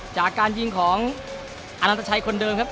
จากการยิงของอนันตชัยคนเดิมครับ